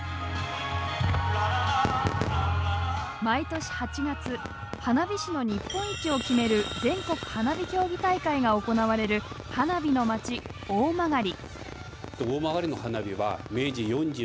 毎年８月花火師の日本一を決める全国花火競技大会が行われる花火の街・大曲。